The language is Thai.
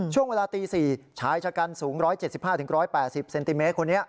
ช่วงเวลาตี๔ชายชะกันสูง๑๗๕๑๘๐เซนติเมตรคนนี้